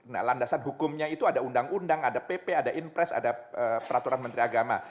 nah landasan hukumnya itu ada undang undang ada pp ada impres ada peraturan menteri agama